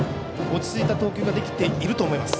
落ち着いた投球ができていると思います。